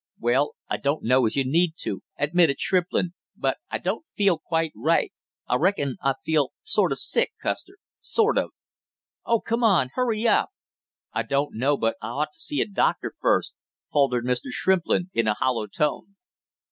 "Well, I don't know as you need to!" admitted Shrimplin. "But I don't feel quite right I reckon I feel sort of sick, Custer sort of " "Oh, come on hurry up!" "I don't know but I ought to see a doctor first " faltered Mr. Shrimplin in a hollow tone.